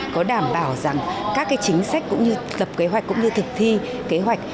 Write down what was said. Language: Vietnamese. có đảm bảo rằng các chính sách cũng như lập kế hoạch cũng như thực thi kế hoạch